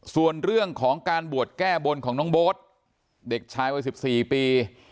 ส่วนเรื่องของการบวชแก้บนของน้องโบ๊ทเด็กชายวัย๑๔ปี